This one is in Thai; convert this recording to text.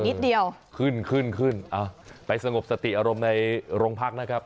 นิดเดียวขึ้นขึ้นขึ้นอ่าไปสงบสติอารมณ์ในรมพรรคนะครับ